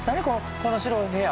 この白い部屋。